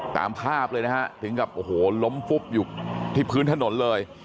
ตามภาพเลยนะฮะถึงกับโอ้โหล้มฟุบอยู่ที่พื้นถนนเลย